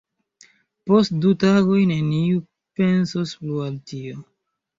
Post du tagoj neniu pensos plu al tio.